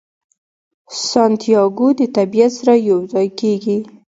سانتیاګو د طبیعت سره یو ځای کیږي.